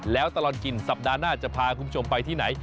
แล้วตลอดกินสัปดาห์หน้าจะพาคุณผู้ชมไปที่ไหน